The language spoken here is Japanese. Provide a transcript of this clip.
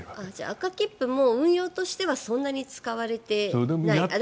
赤切符も運用としてはそんなに使われていない。